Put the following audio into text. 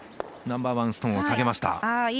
ナンバーワンストーンを下げました。